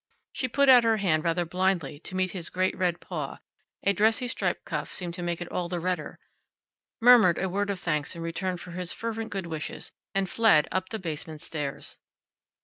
She put out her hand rather blindly to meet his great red paw (a dressy striped cuff seemed to make it all the redder), murmured a word of thanks in return for his fervent good wishes, and fled up the basement stairs.